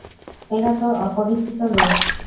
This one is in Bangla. এরা তো অপরিচিত লোক।